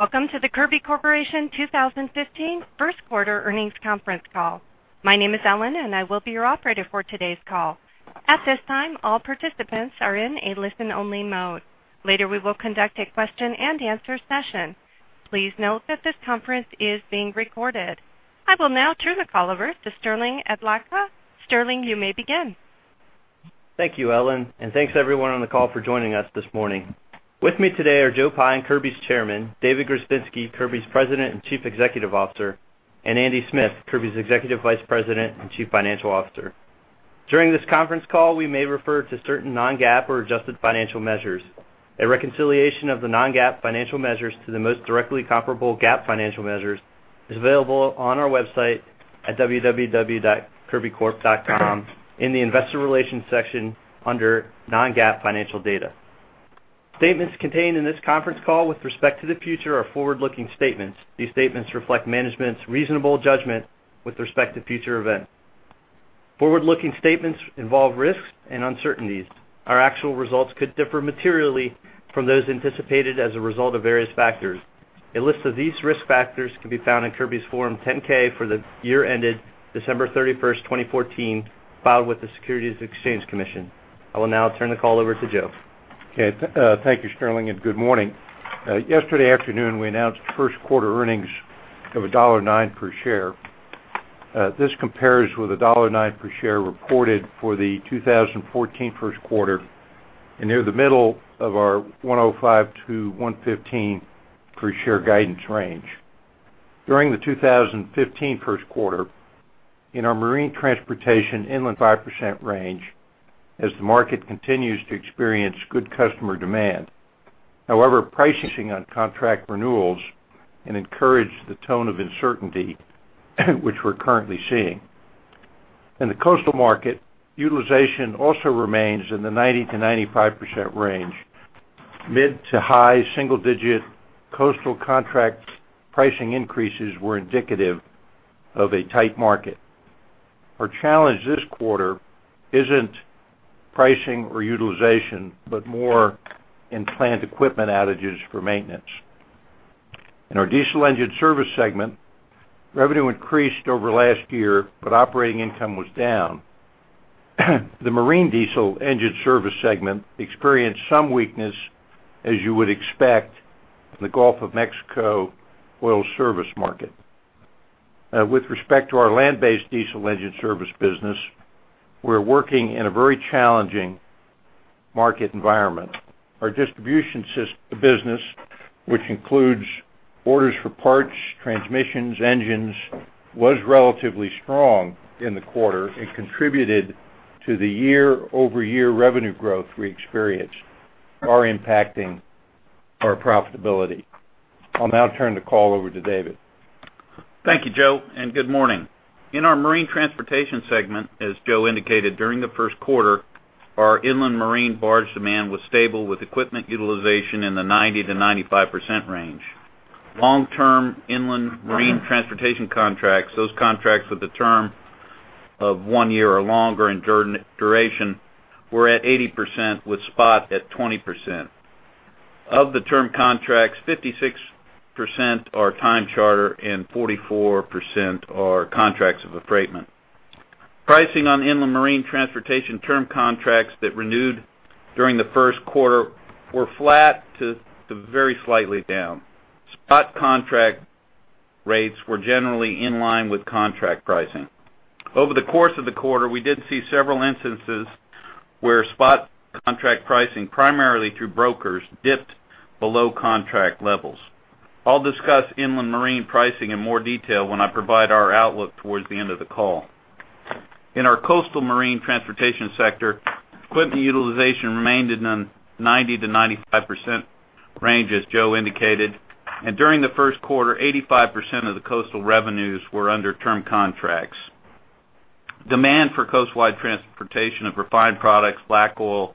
Welcome to the Kirby Corporation 2015 first quarter earnings conference call. My name is Ellen, and I will be your operator for today's call. At this time, all participants are in a listen-only mode. Later, we will conduct a question-and-answer session. Please note that this conference is being recorded. I will now turn the call over to Sterling Adlakha. Sterling, you may begin. Thank you, Ellen, and thanks everyone on the call for joining us this morning. With me today are Joe Pyne, Kirby's Chairman, David Grzebinski, Kirby's President and Chief Executive Officer, and Andy Smith, Kirby's Executive Vice President and Chief Financial Officer. During this conference call, we may refer to certain Non-GAAP or adjusted financial measures. A reconciliation of the Non-GAAP financial measures to the most directly comparable GAAP financial measures is available on our website at www.kirbycorp.com in the Investor Relations section under Non-GAAP Financial Data. Statements contained in this conference call with respect to the future are forward-looking statements. These statements reflect management's reasonable judgment with respect to future events. Forward-looking statements involve risks and uncertainties. Our actual results could differ materially from those anticipated as a result of various factors. A list of these risk factors can be found in Kirby's Form 10-K for the year ended December 31st, 2014, filed with the Securities and Exchange Commission. I will now turn the call over to Joe. Okay, thank you, Sterling, and good morning. Yesterday afternoon, we announced first quarter earnings of $1.09 per share. This compares with $1.09 per share reported for the 2014 first quarter and near the middle of our $1.05-$1.15 per share guidance range. During the 2015 first quarter, in our Marine Transportation inland 5% range, as the market continues to experience good customer demand. However, pricing on contract renewals and encourage the tone of uncertainty, which we're currently seeing. In the coastal market, utilization also remains in the 90%-95% range. Mid to high single-digit coastal contract pricing increases were indicative of a tight market. Our challenge this quarter isn't pricing or utilization, but more in plant equipment outages for maintenance. In our diesel engine service segment, revenue increased over last year, but operating income was down. The marine diesel engine service segment experienced some weakness, as you would expect, from the Gulf of Mexico oil service market. With respect to our land-based diesel engine service business, we're working in a very challenging market environment. Our distribution business, which includes orders for parts, transmissions, engines, was relatively strong in the quarter and contributed to the year-over-year revenue growth we experienced, are impacting our profitability. I'll now turn the call over to David. Thank you, Joe, and good morning. In our marine transportation segment, as Joe indicated, during the first quarter, our inland marine barge demand was stable, with equipment utilization in the 90%-95% range. Long-term inland marine transportation contracts, those contracts with a term of one year or longer in duration, were at 80%, with spot at 20%. Of the term contracts, 56% are time charter and 44% are contracts of affreightment. Pricing on inland marine transportation term contracts that renewed during the first quarter were flat to very slightly down. Spot contract rates were generally in line with contract pricing. Over the course of the quarter, we did see several instances where spot contract pricing, primarily through brokers, dipped below contract levels. I'll discuss inland marine pricing in more detail when I provide our outlook towards the end of the call. In our coastal marine transportation sector, equipment utilization remained in the 90%-95% range, as Joe indicated, and during the first quarter, 85% of the coastal revenues were under term contracts. Demand for coastwide transportation of refined products, black oil,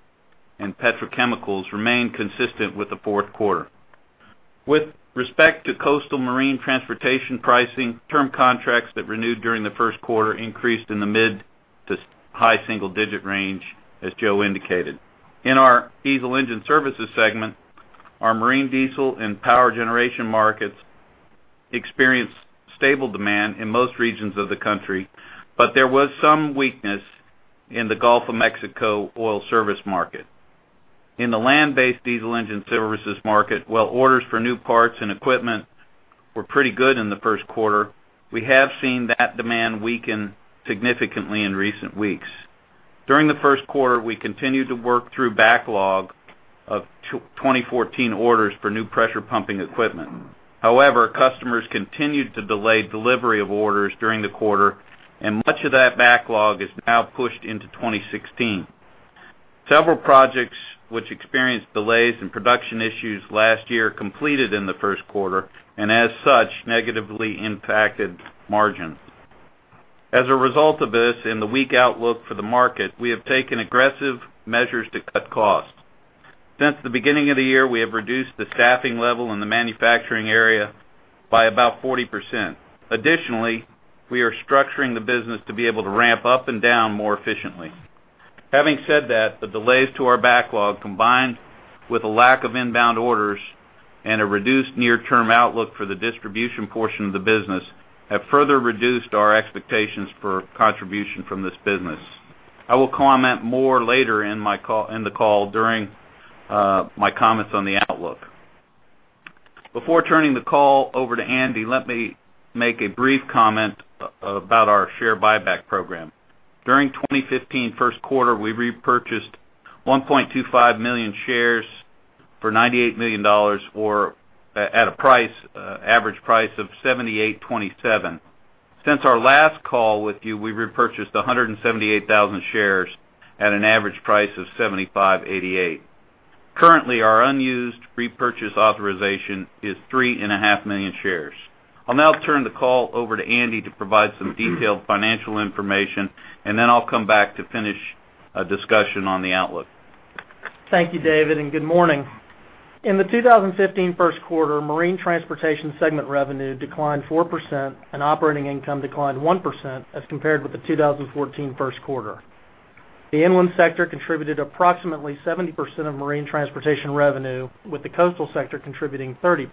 and petrochemicals remained consistent with the fourth quarter. With respect to coastal marine transportation pricing, term contracts that renewed during the first quarter increased in the mid- to high single-digit range, as Joe indicated. In our Diesel Engine Services segment, our marine diesel and power generation markets experienced stable demand in most regions of the country, but there was some weakness in the Gulf of Mexico oil service market. In the land-based Diesel Engine Services market, while orders for new parts and equipment were pretty good in the first quarter, we have seen that demand weaken significantly in recent weeks. During the first quarter, we continued to work through backlog of 2014 orders for new pressure pumping equipment. However, customers continued to delay delivery of orders during the quarter, and much of that backlog is now pushed into 2016. Several projects, which experienced delays and production issues last year, completed in the first quarter, and as such, negatively impacted margins. As a result of this and the weak outlook for the market, we have taken aggressive measures to cut costs. Since the beginning of the year, we have reduced the staffing level in the manufacturing area by about 40%. Additionally, we are structuring the business to be able to ramp up and down more efficiently.... Having said that, the delays to our backlog, combined with a lack of inbound orders and a reduced near-term outlook for the distribution portion of the business, have further reduced our expectations for contribution from this business. I will comment more later in my call - in the call during my comments on the outlook. Before turning the call over to Andy, let me make a brief comment about our share buyback program. During 2015 first quarter, we repurchased 1.25 million shares for $98 million, or at a price, average price of $78.27. Since our last call with you, we've repurchased 178,000 shares at an average price of $75.88. Currently, our unused repurchase authorization is 3.5 million shares. I'll now turn the call over to Andy to provide some detailed financial information, and then I'll come back to finish a discussion on the outlook. Thank you, David, and good morning. In the 2015 first quarter, marine transportation segment revenue declined 4%, and operating income declined 1% as compared with the 2014 first quarter. The inland sector contributed approximately 70% of marine transportation revenue, with the coastal sector contributing 30%.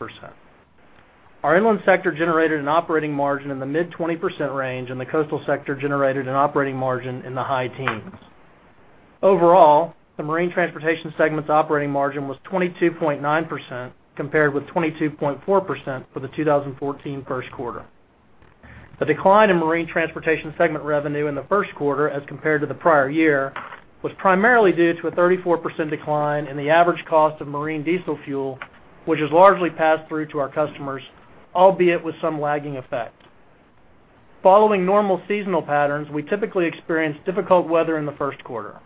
Our inland sector generated an operating margin in the mid-20% range, and the coastal sector generated an operating margin in the high teens. Overall, the marine transportation segment's operating margin was 22.9%, compared with 22.4% for the 2014 first quarter. The decline in marine transportation segment revenue in the first quarter, as compared to the prior year, was primarily due to a 34% decline in the average cost of marine diesel fuel, which is largely passed through to our customers, albeit with some lagging effect. Following normal seasonal patterns, we typically experience difficult weather in the first quarter.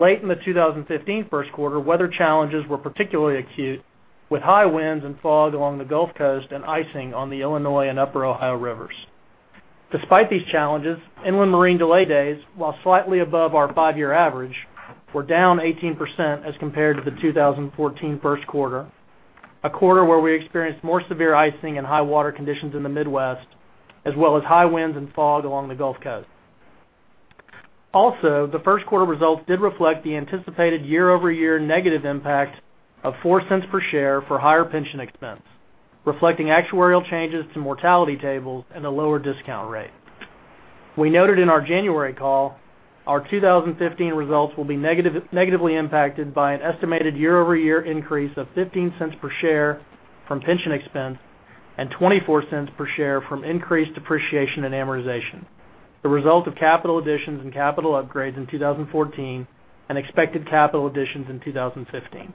Late in the 2015 first quarter, weather challenges were particularly acute, with high winds and fog along the Gulf Coast and icing on the Illinois and Upper Ohio Rivers. Despite these challenges, inland marine delay days, while slightly above our five-year average, were down 18% as compared to the 2014 first quarter, a quarter where we experienced more severe icing and high water conditions in the Midwest, as well as high winds and fog along the Gulf Coast. Also, the first quarter results did reflect the anticipated year-over-year negative impact of $0.04 per share for higher pension expense, reflecting actuarial changes to mortality tables and a lower discount rate. We noted in our January call, our 2015 results will be negatively impacted by an estimated year-over-year increase of $0.15 per share from pension expense and $0.24 per share from increased depreciation and amortization, the result of capital additions and capital upgrades in 2014 and expected capital additions in 2015.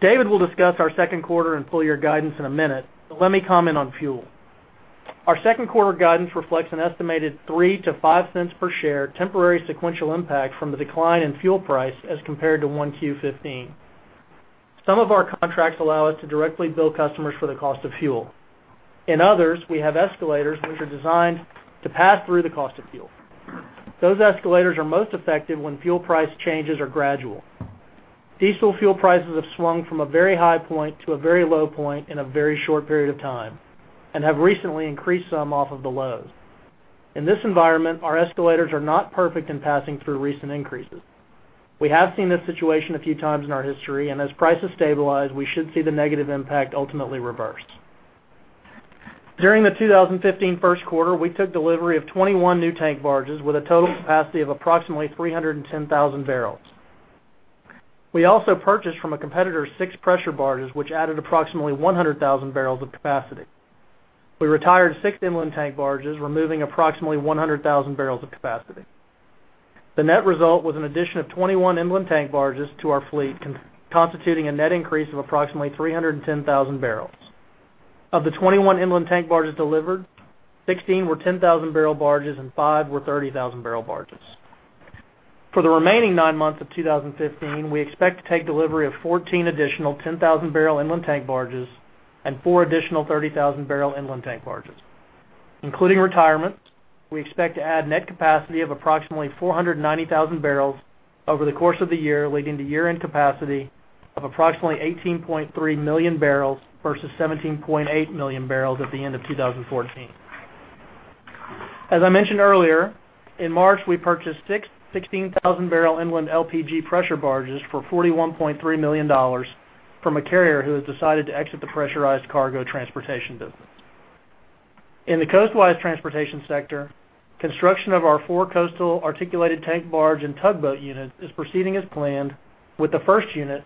David will discuss our second quarter and full year guidance in a minute, but let me comment on fuel. Our second quarter guidance reflects an estimated $0.03-$0.05 per share temporary sequential impact from the decline in fuel price as compared to 1Q15. Some of our contracts allow us to directly bill customers for the cost of fuel. In others, we have escalators, which are designed to pass through the cost of fuel. Those escalators are most effective when fuel price changes are gradual. Diesel fuel prices have swung from a very high point to a very low point in a very short period of time, and have recently increased some off of the lows. In this environment, our escalators are not perfect in passing through recent increases. We have seen this situation a few times in our history, and as prices stabilize, we should see the negative impact ultimately reversed. During the 2015 first quarter, we took delivery of 21 new tank barges with a total capacity of approximately 310,000 bbl. We also purchased from a competitor, 6 pressure barges, which added approximately 100,000 bbl of capacity. We retired 6 inland tank barges, removing approximately 100,000 barrels of capacity. The net result was an addition of 21 inland tank barges to our fleet, constituting a net increase of approximately 310,000 bbl. Of the 21 inland tank barges delivered, 16 were 10,000 bbl barges and 5 were 30,000 bbl barges. For the remaining nine months of 2015, we expect to take delivery of 14 additional 10,000 bbl inland tank barges and 4 additional 30,000 bbl inland tank barges. Including retirements, we expect to add net capacity of approximately 490,000 bbl over the course of the year, leading to year-end capacity of approximately 18.3 million barrels versus 17.8 million barrels at the end of 2014. As I mentioned earlier, in March, we purchased six 16,000 bbl inland LPG pressure barges for $41.3 million from a carrier who has decided to exit the pressurized cargo transportation business. In the coastwise transportation sector, construction of our four coastal articulated tank barge and tugboat units is proceeding as planned, with the first unit,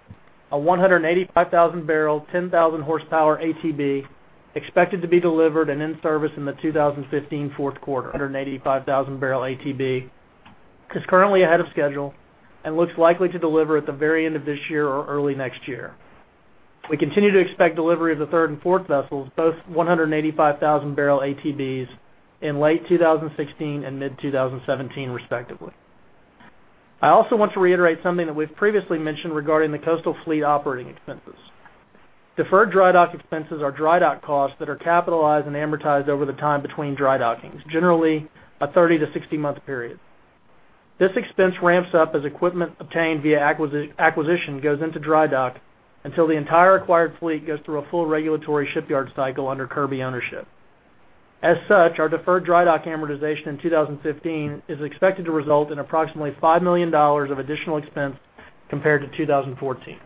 a 185,000 bbl, 10,000-horsepower ATB, expected to be delivered and in service in the 2015 fourth quarter. 185,000 bbl ATB is currently ahead of schedule and looks likely to deliver at the very end of this year or early next year. We continue to expect delivery of the third and fourth vessels, both 185,000 bbl ATBs, in late 2016 and mid-2017, respectively. I also want to reiterate something that we've previously mentioned regarding the coastal fleet operating expenses. Deferred dry dock expenses are dry dock costs that are capitalized and amortized over the time between dry dockings, generally a 30-60 month period. This expense ramps up as equipment obtained via acquisition goes into dry dock, until the entire acquired fleet goes through a full regulatory shipyard cycle under Kirby ownership. As such, our deferred dry dock amortization in 2015 is expected to result in approximately $5 million of additional expense compared to 2014.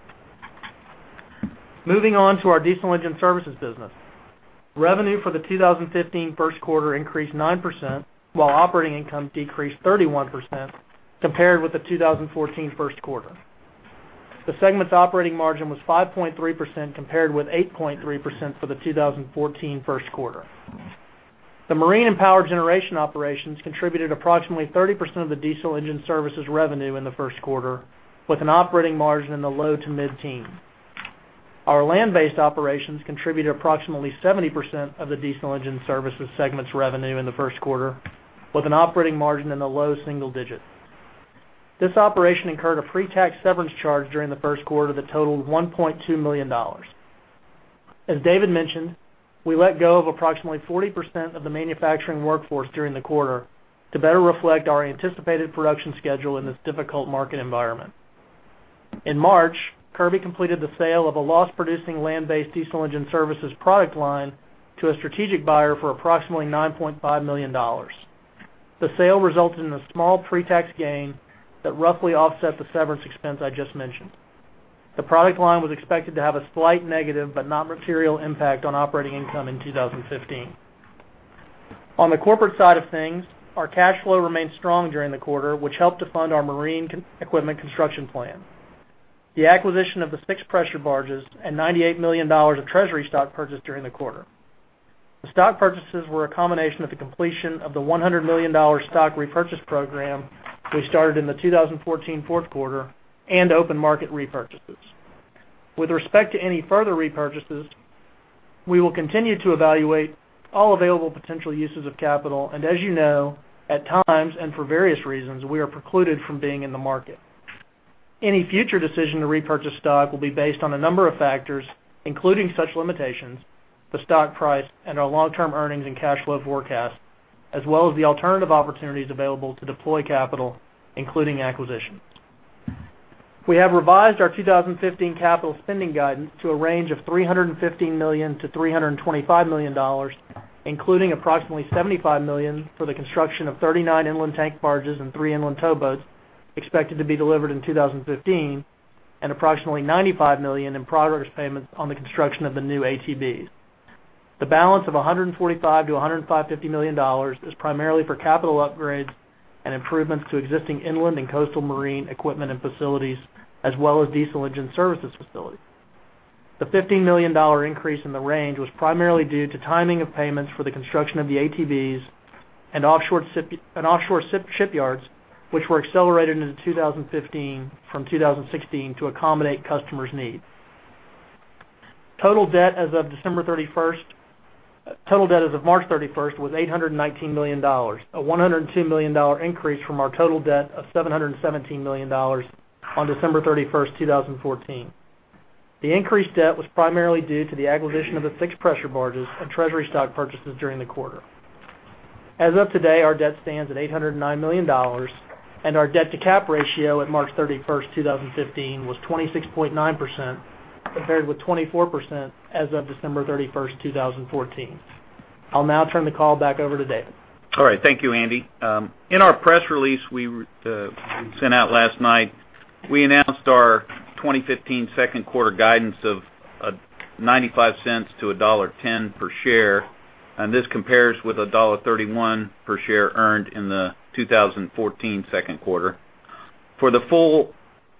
Moving on to our Diesel Engine Services business. Revenue for the 2015 first quarter increased 9%, while operating income decreased 31% compared with the 2014 first quarter. The segment's operating margin was 5.3%, compared with 8.3% for the 2014 first quarter. The marine and power generation operations contributed approximately 30% of the Diesel Engine Services revenue in the first quarter, with an operating margin in the low to mid-teen. Our land-based operations contributed approximately 70% of the Diesel Engine Services segment's revenue in the first quarter, with an operating margin in the low single digit. This operation incurred a pre-tax severance charge during the first quarter that totaled $1.2 million. As David mentioned, we let go of approximately 40% of the manufacturing workforce during the quarter to better reflect our anticipated production schedule in this difficult market environment. In March, Kirby completed the sale of a loss-producing land-based Diesel Engine Services product line to a strategic buyer for approximately $9.5 million. The sale resulted in a small pre-tax gain that roughly offset the severance expense I just mentioned. The product line was expected to have a slight negative but not material impact on operating income in 2015. On the corporate side of things, our cash flow remained strong during the quarter, which helped to fund our marine equipment construction plan, the acquisition of the six pressure barges, and $98 million of treasury stock purchased during the quarter. The stock purchases were a combination of the completion of the $100 million stock repurchase program we started in the 2014 fourth quarter and open market repurchases. With respect to any further repurchases, we will continue to evaluate all available potential uses of capital, and as you know, at times and for various reasons, we are precluded from being in the market. Any future decision to repurchase stock will be based on a number of factors, including such limitations, the stock price, and our long-term earnings and cash flow forecast, as well as the alternative opportunities available to deploy capital, including acquisitions. We have revised our 2015 capital spending guidance to a range of $315 million-$325 million, including approximately $75 million for the construction of 39 inland tank barges and three inland towboats, expected to be delivered in 2015, and approximately $95 million in progress payments on the construction of the new ATBs. The balance of $145 million-$155 million is primarily for capital upgrades and improvements to existing inland and coastal marine equipment and facilities, as well as Diesel Engine Services facilities. The $15 million increase in the range was primarily due to timing of payments for the construction of the ATBs and offshore shipyards, which were accelerated into 2015 from 2016 to accommodate customers' needs. Total debt as of March 31 was $819 million, a $102 million increase from our total debt of $717 million on December 31, 2014. The increased debt was primarily due to the acquisition of the six pressure barges and treasury stock purchases during the quarter. As of today, our debt stands at $809 million, and our debt-to-cap ratio at March 31, 2015, was 26.9%, compared with 24% as of December 31, 2014. I'll now turn the call back over to David. All right. Thank you, Andy. In our press release we sent out last night, we announced our 2015 second quarter guidance of $0.95-$1.10 per share, and this compares with $1.31 per share earned in the 2014 second quarter. For the full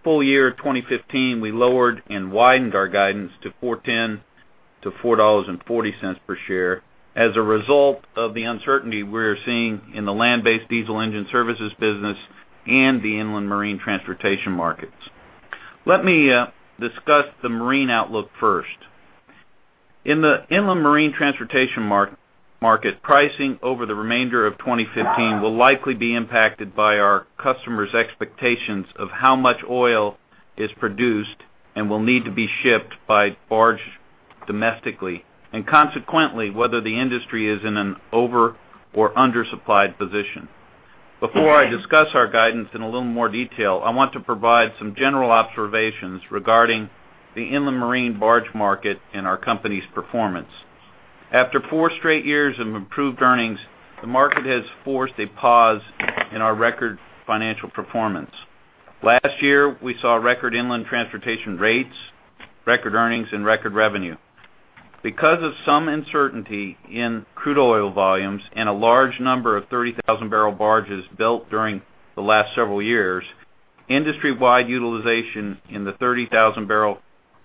year 2015, we lowered and widened our guidance to $4.10-$4.40 per share as a result of the uncertainty we're seeing in the land-based Diesel Engine Services business and the inland marine transportation markets. Let me discuss the marine outlook first. In the inland marine transportation market, pricing over the remainder of 2015 will likely be impacted by our customers' expectations of how much oil is produced and will need to be shipped by barge domestically, and consequently, whether the industry is in an over or undersupplied position. Before I discuss our guidance in a little more detail, I want to provide some general observations regarding the inland marine barge market and our company's performance. After 4 straight years of improved earnings, the market has forced a pause in our record financial performance. Last year, we saw record inland transportation rates, record earnings, and record revenue. Because of some uncertainty in crude oil volumes and a large number of 30,000 bbl barges built during the last several years, industry-wide utilization in the 30,000 bbl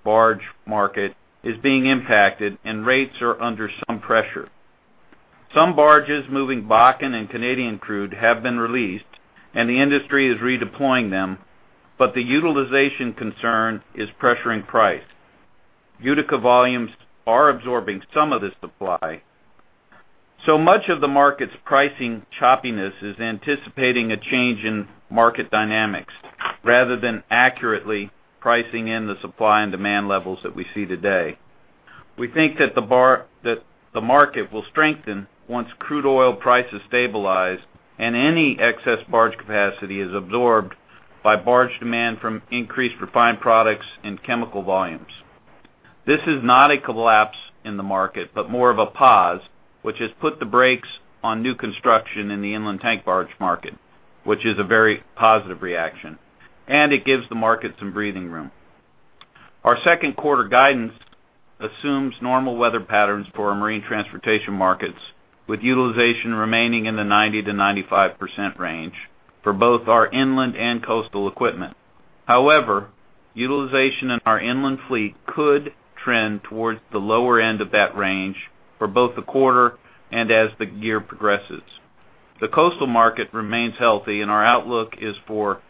barge market is being impacted, and rates are under some pressure. Some barges moving Bakken and Canadian crude have been released, and the industry is redeploying them, but the utilization concern is pressuring price. Utica volumes are absorbing some of the supply, so much of the market's pricing choppiness is anticipating a change in market dynamics rather than accurately pricing in the supply and demand levels that we see today. We think that the market will strengthen once crude oil prices stabilize and any excess barge capacity is absorbed by barge demand from increased refined products and chemical volumes. This is not a collapse in the market, but more of a pause, which has put the brakes on new construction in the inland tank barge market, which is a very positive reaction, and it gives the market some breathing room. Our second quarter guidance assumes normal weather patterns for our marine transportation markets, with utilization remaining in the 90%-95% range for both our inland and coastal equipment. However, utilization in our inland fleet could trend towards the lower end of that range for both the quarter and as the year progresses. The coastal market remains healthy, and our outlook is for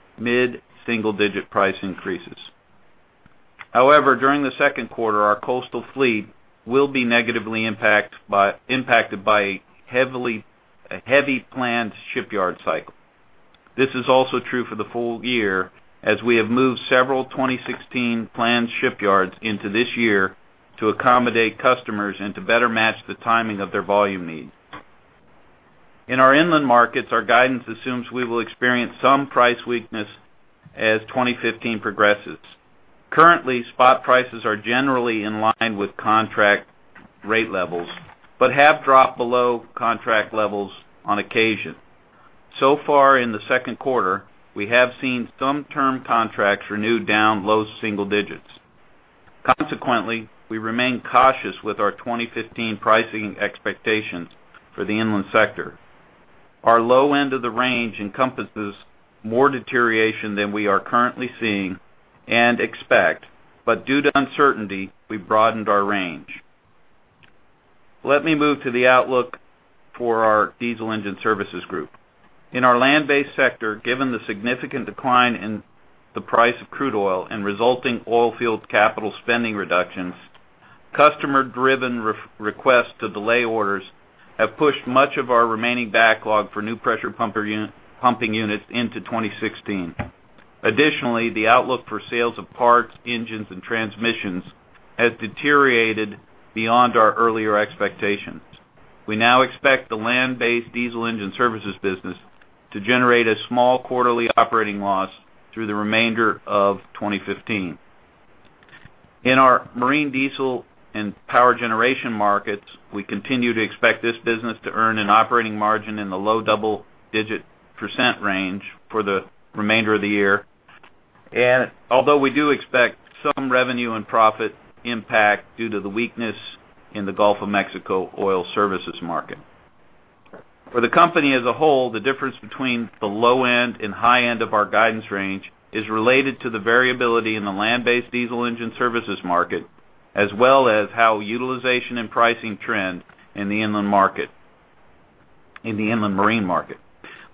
mid-single-digit price increases. However, during the second quarter, our coastal fleet will be negatively impacted by a heavy planned shipyard cycle. This is also true for the full year, as we have moved several 2016 planned shipyards into this year to accommodate customers and to better match the timing of their volume needs. In our inland markets, our guidance assumes we will experience some price weakness as 2015 progresses. Currently, spot prices are generally in line with contract rate levels, but have dropped below contract levels on occasion. So far in the second quarter, we have seen some term contracts renewed down low single digits. Consequently, we remain cautious with our 2015 pricing expectations for the inland sector. Our low end of the range encompasses more deterioration than we are currently seeing and expect, but due to uncertainty, we've broadened our range. Let me move to the outlook for our Diesel Engine Services group. In our land-based sector, given the significant decline in the price of crude oil and resulting oil field capital spending reductions, customer-driven requests to delay orders have pushed much of our remaining backlog for new pressure pumping units into 2016. Additionally, the outlook for sales of parts, engines, and transmissions has deteriorated beyond our earlier expectations. We now expect the land-based Diesel Engine Services business to generate a small quarterly operating loss through the remainder of 2015. In our marine, diesel, and power generation markets, we continue to expect this business to earn an operating margin in the low double-digit percent range for the remainder of the year, and although we do expect some revenue and profit impact due to the weakness in the Gulf of Mexico oil services market, for the company as a whole, the difference between the low end and high end of our guidance range is related to the variability in the land-based Diesel Engine Services market, as well as how utilization and pricing trend in the inland market, in the inland marine market.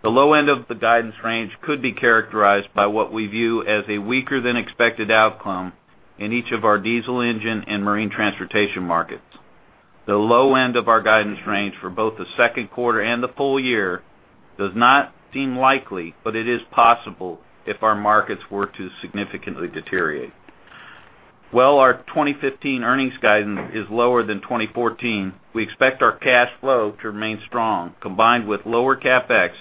The low end of the guidance range could be characterized by what we view as a weaker than expected outcome in each of our diesel engine and marine transportation markets. The low end of our guidance range for both the second quarter and the full year does not seem likely, but it is possible if our markets were to significantly deteriorate. While our 2015 earnings guidance is lower than 2014, we expect our cash flow to remain strong, combined with lower CapEx,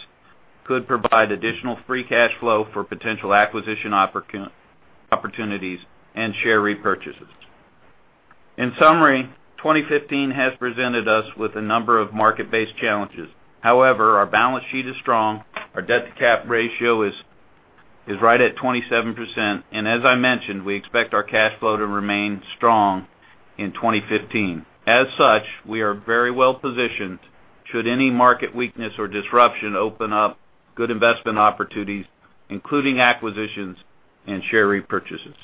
could provide additional free cash flow for potential acquisition opportunities and share repurchases. In summary, 2015 has presented us with a number of market-based challenges. However, our balance sheet is strong. Our debt-to-cap ratio is right at 27%, and as I mentioned, we expect our cash flow to remain strong in 2015. As such, we are very well positioned should any market weakness or disruption open up good investment opportunities, including acquisitions and share repurchases.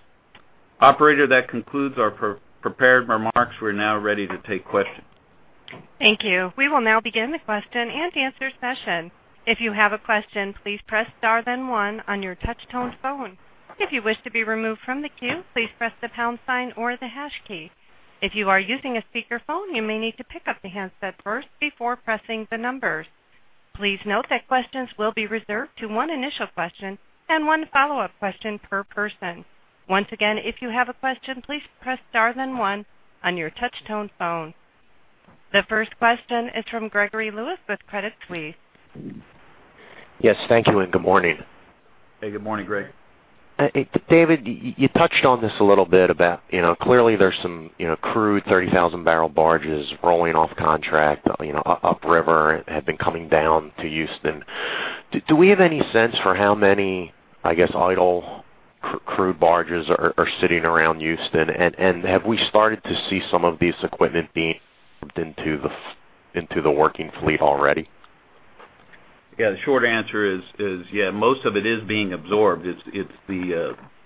Operator, that concludes our prepared remarks. We're now ready to take questions. Thank you. We will now begin the question-and-answer session. If you have a question, please press star then one on your touch-tone phone. If you wish to be removed from the queue, please press the pound sign or the hash key. If you are using a speakerphone, you may need to pick up the handset first before pressing the numbers. Please note that questions will be reserved to one initial question and one follow-up question per person. Once again, if you have a question, please press star then one on your touch-tone phone. The first question is from Gregory Lewis with Credit Suisse. Yes, thank you, and good morning. Hey, good morning, Greg. David, you touched on this a little bit about, you know, clearly there's some, you know, crude 30,000 bbl barges rolling off contract, you know, upriver, have been coming down to Houston. Do we have any sense for how many, I guess, idle crude barges are sitting around Houston? And have we started to see some of these equipment being into the working fleet already? Yeah, the short answer is yeah, most of it is being absorbed. It's the,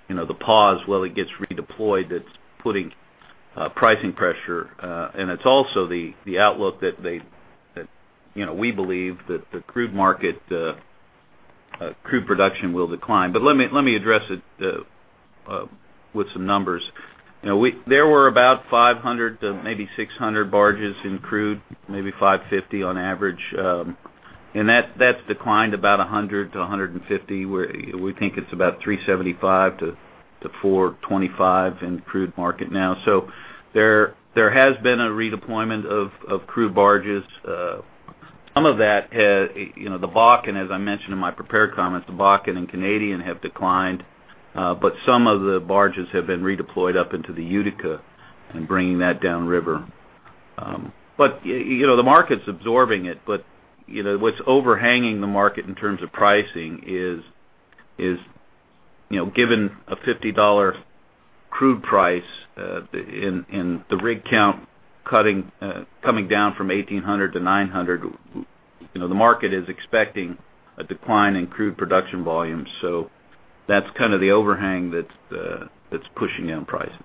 you know, the pause while it gets redeployed that's putting pricing pressure, and it's also the outlook that they, that, you know, we believe that the crude market, crude production will decline. But let me address it with some numbers. You know, there were about 500 to maybe 600 barges in crude, maybe 550 on average, and that's declined about 100 to 150, where we think it's about 375 to 425 in the crude market now. So there has been a redeployment of crude barges. Some of that, you know, the Bakken, as I mentioned in my prepared comments, the Bakken and Canadian have declined, but some of the barges have been redeployed up into the Utica and bringing that downriver. But, you know, the market's absorbing it. But, you know, what's overhanging the market in terms of pricing is, you know, given a $50 crude price, and the rig count cutting, coming down from 1,800 to 900, you know, the market is expecting a decline in crude production volumes. So that's kind of the overhang that's, that's pushing down pricing.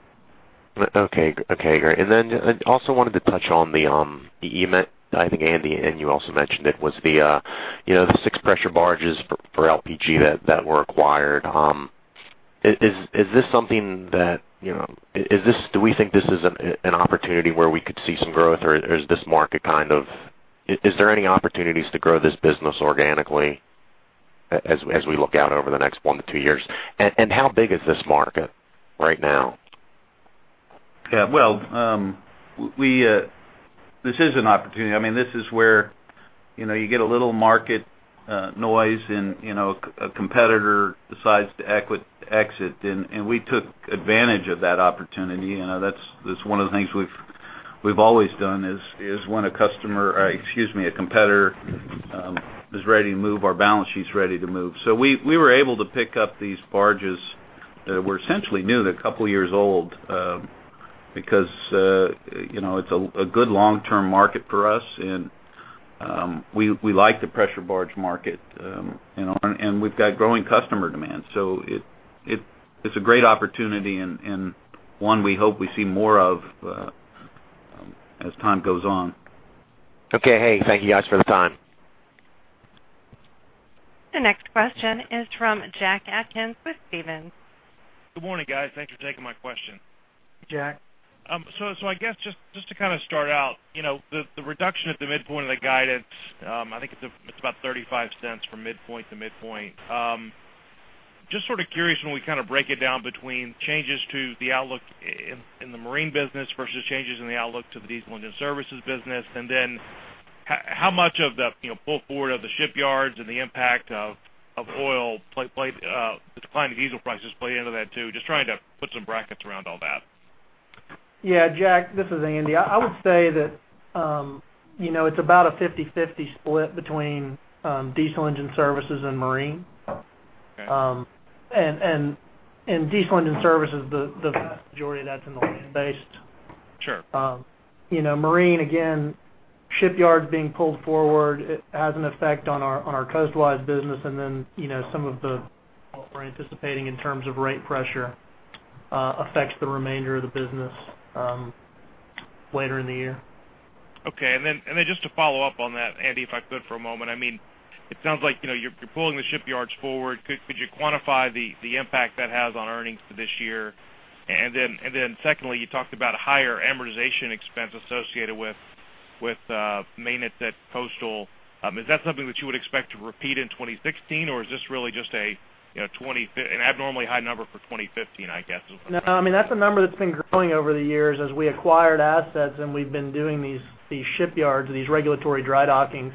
Okay. Okay, great. And then I also wanted to touch on the inland marine. I think, Andy, and you also mentioned it, was the, you know, the 6 pressure barges for LPG that were acquired. Is this something that, you know, is this—do we think this is an opportunity where we could see some growth, or is this market kind of... Is there any opportunities to grow this business organically as we look out over the next 1-2 years? And how big is this market right now? Yeah. Well, this is an opportunity. I mean, this is where, you know, you get a little market noise and, you know, a competitor decides to exit, and we took advantage of that opportunity. You know, that's one of the things we've always done, is when a customer, excuse me, a competitor, is ready to move, our balance sheet's ready to move. So we were able to pick up these barges that were essentially new, they're a couple of years old, because, you know, it's a good long-term market for us, and we like the pressure barge market, you know, and we've got growing customer demand. So it's a great opportunity and one we hope we see more of, as time goes on. Okay, hey, thank you guys for the time. The next question is from Jack Atkins with Stephens. Good morning, guys. Thanks for taking my question. Jack. So, I guess just to kind of start out, you know, the reduction at the midpoint of the guidance, I think it's about $0.35 from midpoint to midpoint. Just sort of curious when we kind of break it down between changes to the outlook in the marine business versus changes in the outlook to the Diesel Engine Services business. And then how much of the, you know, pull forward of the shipyards and the impact of oil price, the decline of diesel prices play into that, too? Just trying to put some brackets around all that. Yeah, Jack, this is Andy. I would say that, you know, it's about a 50/50 split between Diesel Engine Services and marine. Okay. And Diesel Engine Services, the vast majority of that's in the land-based. Sure. You know, marine, again, shipyards being pulled forward, it has an effect on our coastal marine business, and then, you know, some of the, we're anticipating in terms of rate pressure, affects the remainder of the business, later in the year. Okay. And then, and then just to follow up on that, Andy, if I could for a moment. I mean, it sounds like, you know, you're pulling the shipyards forward. Could you quantify the impact that has on earnings for this year? And then, secondly, you talked about higher amortization expense associated with maintenance at coastal. Is that something that you would expect to repeat in 2016, or is this really just a, you know, an abnormally high number for 2015, I guess, is what- No, I mean, that's a number that's been growing over the years as we acquired assets and we've been doing these shipyards, these regulatory dry dockings.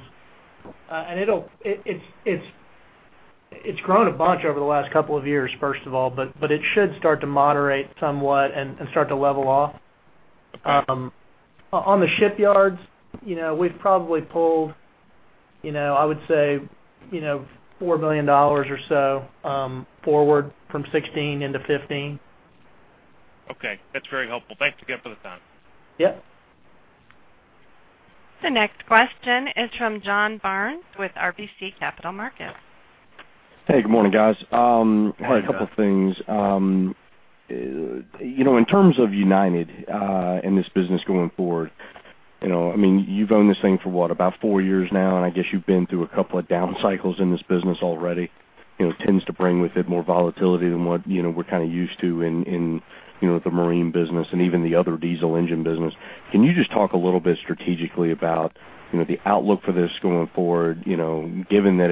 And it'll. It's grown a bunch over the last couple of years, first of all, but it should start to moderate somewhat and start to level off. On the shipyards, you know, we've probably pulled, you know, I would say, you know, $4 million or so forward from 2016 into 2015. Okay. That's very helpful. Thanks again for the time. Yep. The next question is from John Barnes with RBC Capital Markets. Hey, good morning, guys. Hi, John. I had a couple things. You know, in terms of United, and this business going forward, you know, I mean, you've owned this thing for, what, about four years now, and I guess you've been through a couple of down cycles in this business already. You know, tends to bring with it more volatility than what, you know, we're kind of used to in the marine business and even the other diesel engine business. Can you just talk a little bit strategically about, you know, the outlook for this going forward? You know, given that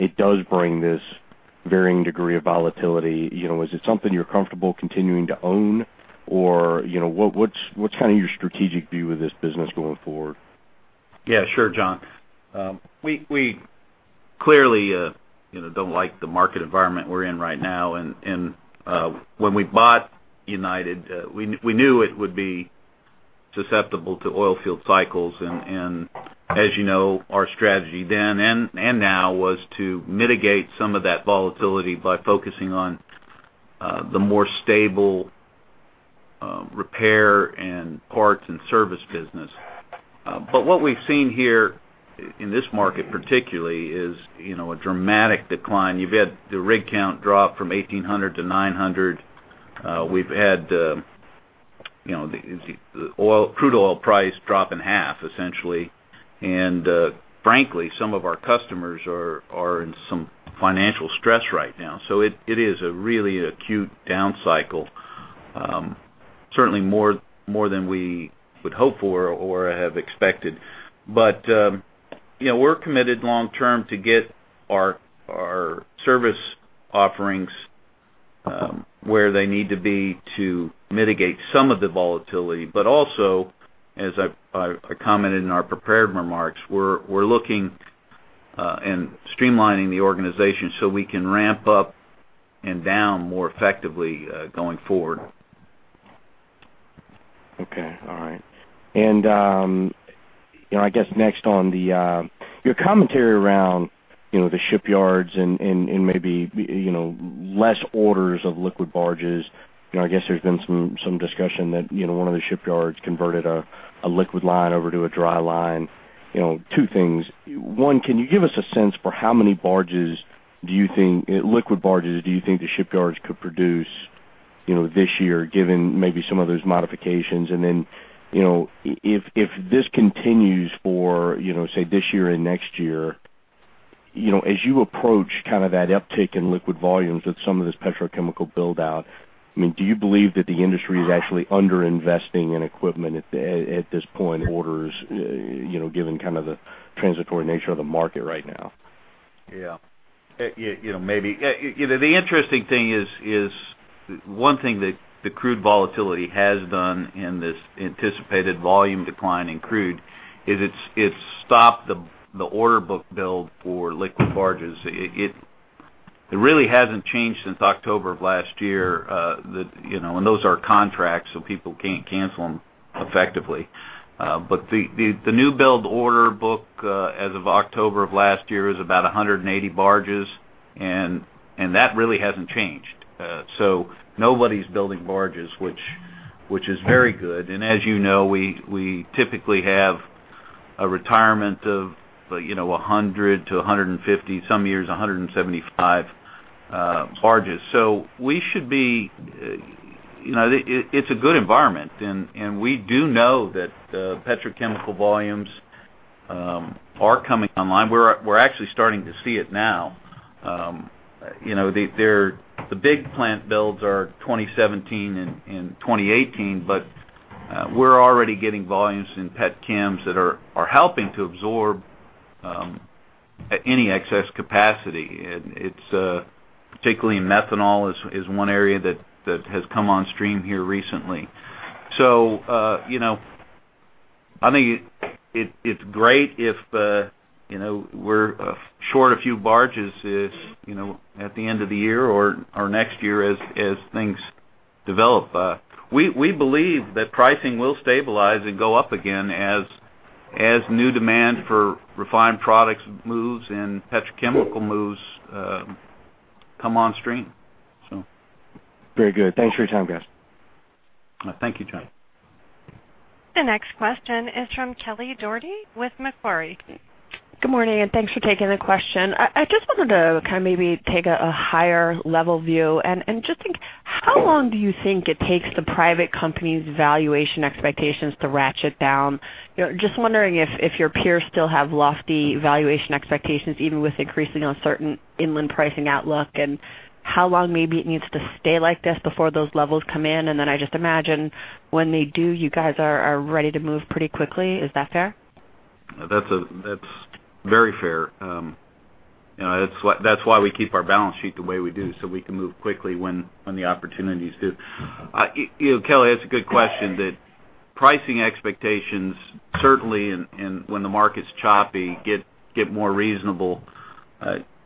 it does bring this varying degree of volatility, you know, is it something you're comfortable continuing to own? Or, you know, what's kind of your strategic view of this business going forward? Yeah, sure, John. We clearly, you know, don't like the market environment we're in right now, and when we bought United, we knew it would be susceptible to oil field cycles. And as you know, our strategy then and now was to mitigate some of that volatility by focusing on the more stable repair and parts and service business. But what we've seen here in this market particularly is, you know, a dramatic decline. You've had the rig count drop from 1,800 to 900. We've had, you know, the oil—crude oil price drop in half, essentially. And frankly, some of our customers are in some financial stress right now, so it is a really acute down cycle. Certainly more, more than we would hope for or have expected. But, you know, we're committed long term to get our service offerings... where they need to be to mitigate some of the volatility. But also, as I commented in our prepared remarks, we're looking and streamlining the organization so we can ramp up and down more effectively, going forward. Okay, all right. You know, I guess next on the your commentary around the shipyards and maybe less orders of liquid barges. You know, I guess there's been some discussion that one of the shipyards converted a liquid line over to a dry line. You know, two things: One, can you give us a sense for how many barges do you think—liquid barges, do you think the shipyards could produce this year, given maybe some of those modifications? And then, you know, if this continues for, you know, say, this year and next year, you know, as you approach kind of that uptick in liquid volumes with some of this petrochemical build-out, I mean, do you believe that the industry is actually underinvesting in equipment at this point in orders, you know, given kind of the transitory nature of the market right now? Yeah. You know, maybe... You know, the interesting thing is one thing that the crude volatility has done in this anticipated volume decline in crude is it's stopped the order book build for liquid barges. It really hasn't changed since October of last year. You know, and those are contracts, so people can't cancel them effectively. But the new build order book as of October of last year is about 180 barges, and that really hasn't changed. So nobody's building barges, which is very good. And as you know, we typically have a retirement of, you know, 100 to 150, some years 175 barges. So we should be, you know, it's a good environment. We do know that petrochemical volumes are coming online. We're actually starting to see it now. You know, the big plant builds are 2017 and 2018, but we're already getting volumes in petchems that are helping to absorb any excess capacity. And it's particularly in methanol is one area that has come on stream here recently. So, you know, I think it's great if, you know, we're short a few barges if, you know, at the end of the year or next year as things develop. We believe that pricing will stabilize and go up again as new demand for refined products moves and petrochemical moves come on stream so. Very good. Thanks for your time, guys. Thank you, John. The next question is from Kelly Dougherty with Macquarie. Good morning, and thanks for taking the question. I just wanted to kind of maybe take a higher level view and just think, how long do you think it takes the private companies' valuation expectations to ratchet down? You know, just wondering if your peers still have lofty valuation expectations, even with increasing uncertain inland pricing outlook, and how long maybe it needs to stay like this before those levels come in? And then I just imagine when they do, you guys are ready to move pretty quickly. Is that fair? That's very fair. You know, that's why we keep our balance sheet the way we do, so we can move quickly when the opportunities do. You know, Kelly, that's a good question, that pricing expectations, certainly, and when the market's choppy, get more reasonable.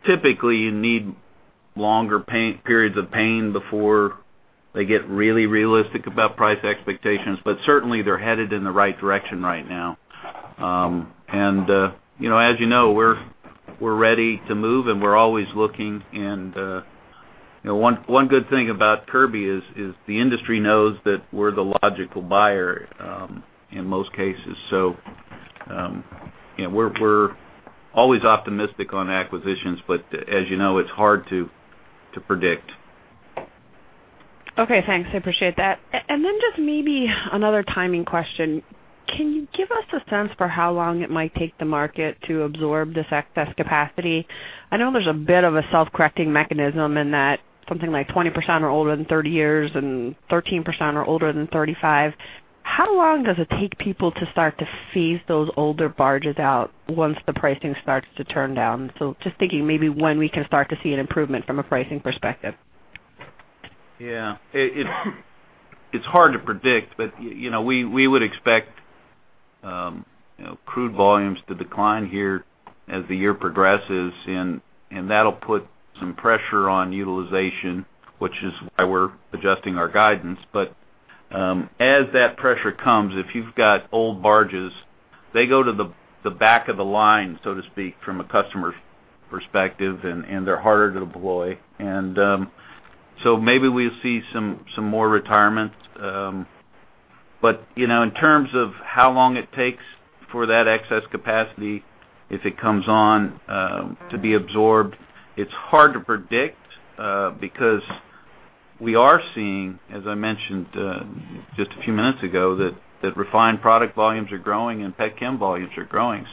Typically, you need longer pain, periods of pain before they get really realistic about price expectations, but certainly, they're headed in the right direction right now. And you know, as you know, we're ready to move, and we're always looking. And you know, one good thing about Kirby is the industry knows that we're the logical buyer in most cases. So you know, we're always optimistic on acquisitions, but as you know, it's hard to predict. Okay, thanks. I appreciate that. And then just maybe another timing question. Can you give us a sense for how long it might take the market to absorb this excess capacity? I know there's a bit of a self-correcting mechanism in that something like 20% are older than 30 years, and 13% are older than 35. How long does it take people to start to phase those older barges out once the pricing starts to turn down? So just thinking maybe when we can start to see an improvement from a pricing perspective. Yeah. It's hard to predict, but, you know, we would expect, you know, crude volumes to decline here as the year progresses, and that'll put some pressure on utilization, which is why we're adjusting our guidance. But, as that pressure comes, if you've got old barges, they go to the back of the line, so to speak, from a customer's perspective, and they're harder to deploy. And, so maybe we'll see some more retirements. But, you know, in terms of how long it takes for that excess capacity, if it comes on, to be absorbed, it's hard to predict, because we are seeing, as I mentioned, just a few minutes ago, that refined product volumes are growing and petchem volumes are growing.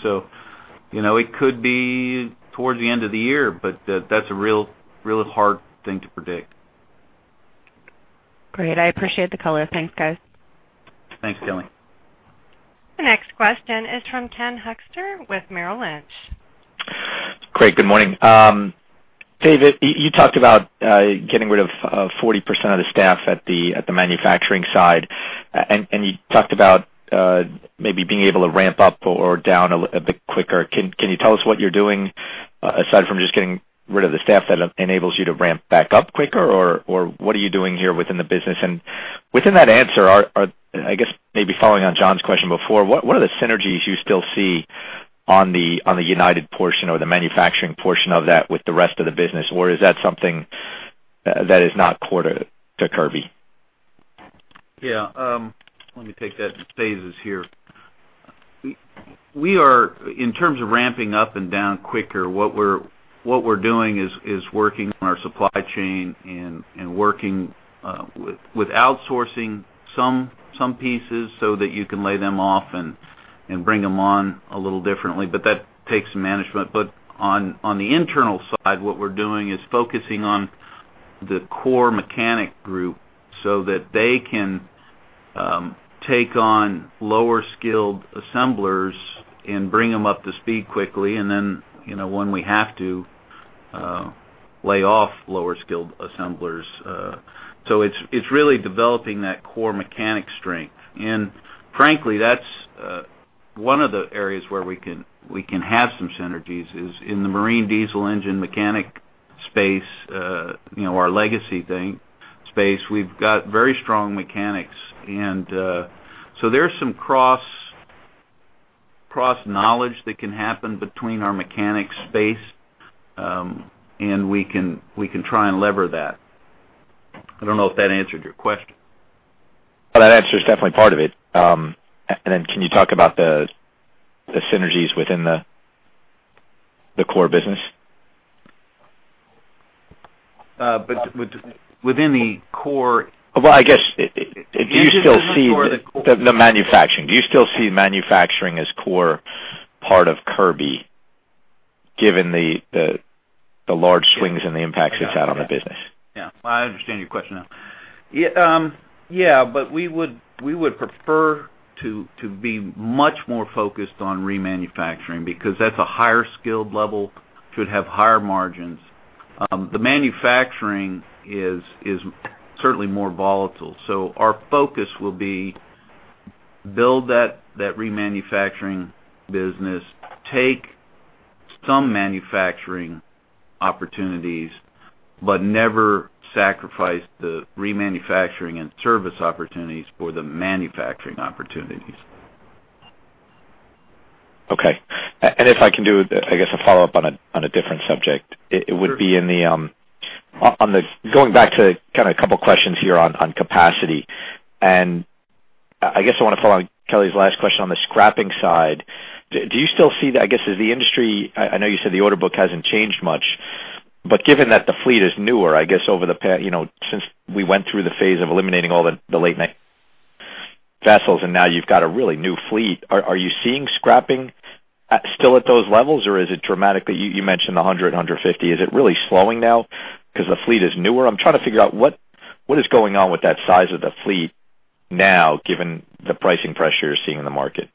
You know, it could be toward the end of the year, but that, that's a real, really hard thing to predict. Great. I appreciate the color. Thanks, guys. Thanks, Kelly. The next question is from Ken Hoexter with Merrill Lynch. Great. Good morning. David, you talked about getting rid of 40% of the staff at the manufacturing side, and you talked about maybe being able to ramp up or down a bit quicker. Can you tell us what you're doing aside from just getting rid of the staff that enables you to ramp back up quicker, or what are you doing here within the business? And within that answer, are... I guess maybe following on John's question before, what are the synergies you still see on the United portion or the manufacturing portion of that with the rest of the business? Or is that something that is not core to Kirby? Yeah, let me take that in phases here. We are, in terms of ramping up and down quicker, what we're doing is working on our supply chain and working with outsourcing some pieces so that you can lay them off and bring them on a little differently, but that takes some management. But on the internal side, what we're doing is focusing on the core mechanic group so that they can take on lower skilled assemblers and bring them up to speed quickly, and then, you know, when we have to lay off lower skilled assemblers. So it's really developing that core mechanic strength. And frankly, that's one of the areas where we can have some synergies is in the marine diesel engine mechanic space, you know, our legacy thing space. We've got very strong mechanics, and so there's some cross knowledge that can happen between our mechanics space, and we can try and leverage that. I don't know if that answered your question. Well, that answers definitely part of it. And then can you talk about the, the synergies within the, the core business? but within the core- Well, I guess, do you still see- The core- The manufacturing. Do you still see manufacturing as core part of Kirby, given the large swings and the impacts it's had on the business? Yeah. Well, I understand your question now. Yeah, yeah, but we would prefer to be much more focused on remanufacturing, because that's a higher skilled level, should have higher margins. The manufacturing is certainly more volatile. So our focus will be build that remanufacturing business, take some manufacturing opportunities, but never sacrifice the remanufacturing and service opportunities for the manufacturing opportunities. Okay. And if I can do, I guess, a follow-up on a, on a different subject. Sure. Going back to kind of a couple questions here on capacity. And I guess I want to follow on Kelly's last question on the scrapping side. Do you still see the, I guess, as the industry—I know you said the order book hasn't changed much, but given that the fleet is newer, I guess, you know, since we went through the phase of eliminating all the late night vessels, and now you've got a really new fleet, are you seeing scrapping still at those levels, or is it dramatically? You mentioned 150. Is it really slowing now because the fleet is newer? I'm trying to figure out what, what is going on with that size of the fleet now, given the pricing pressure you're seeing in the market?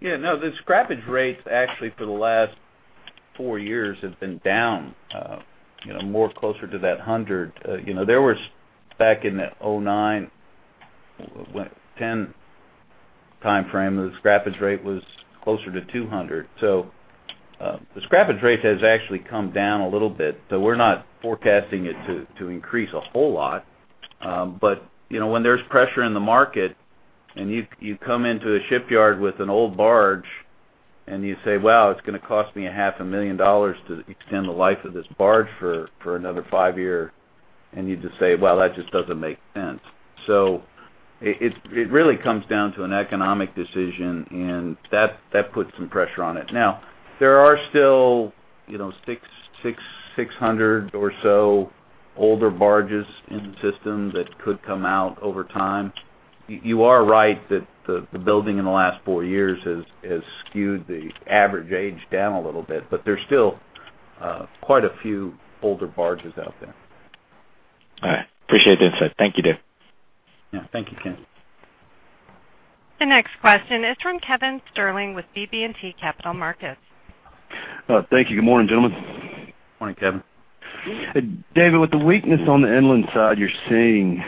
Yeah, no, the scrappage rates, actually, for the last four years have been down, you know, more closer to that 100. You know, there was back in 2009, what, 2010 timeframe, the scrappage rate was closer to 200. So, the scrappage rate has actually come down a little bit, so we're not forecasting it to increase a whole lot. But, you know, when there's pressure in the market and you come into a shipyard with an old barge and you say, "Wow, it's going to cost me $500,000 to extend the life of this barge for another five year," and you just say, "Well, that just doesn't make sense." So it really comes down to an economic decision, and that puts some pressure on it. Now, there are still, you know, 600 or so older barges in the system that could come out over time. You are right that the building in the last four years has skewed the average age down a little bit, but there's still quite a few older barges out there. All right. Appreciate the insight. Thank you, Dave. Yeah. Thank you, Ken. The next question is from Kevin Sterling with BB&T Capital Markets. Thank you. Good morning, gentlemen. Morning, Kevin. David, with the weakness on the inland side you're seeing,